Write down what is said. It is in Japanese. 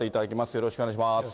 よろしくお願いします。